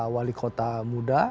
wali kota muda